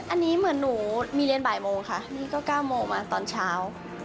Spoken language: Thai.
อันนี้เหมือนหนูมีเรียนบ่ายโมงค่ะนี่ก็๙โมงมาตอนเช้า